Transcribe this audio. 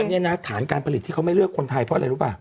นี่นะฐานการผลิตที่เขาไม่เลือกคนไทยเพราะอะไรรู้ป่ะ